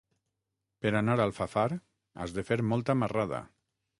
Per anar a Alfafar has de fer molta marrada.